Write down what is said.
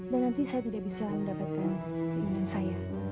dan nanti saya tidak bisa mendapatkan keinginan saya